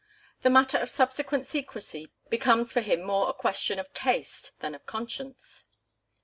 The matter of subsequent secrecy becomes for him more a question of taste than of conscience.